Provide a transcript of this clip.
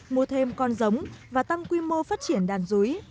mua thêm con giống và tăng quy mô phát triển đàn rúi